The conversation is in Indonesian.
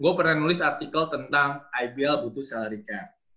gue pernah nulis artikel tentang ibl butuh salary cap